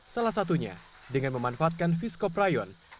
salah satunya dengan memanfaatkan viskoprayon